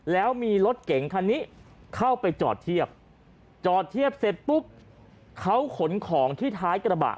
แล้วมีรถเก๋งคันนี้เข้าไปจอดเทียบจอดเทียบเสร็จปุ๊บเขาขนของที่ท้ายกระบะ